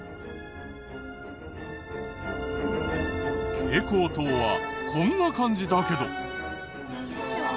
蛍光灯はこんな感じだけど。